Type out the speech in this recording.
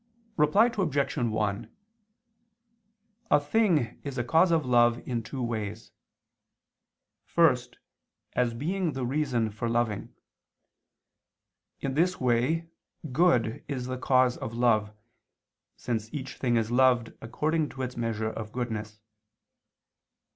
Reply Obj. 1: A thing is a cause of love in two ways: first, as being the reason for loving. In this way good is the cause of love, since each thing is loved according to its measure of goodness.